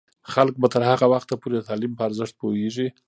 خلک به تر هغه وخته پورې د تعلیم په ارزښت پوهیږي.